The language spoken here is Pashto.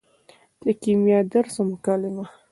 د کیمیا درس او مکالمه